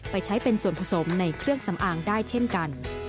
ไปใช้เป็นส่วนผสมในเครื่องสำอางได้เช่นกัน